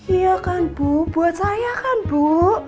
iya kan bu buat saya kan bu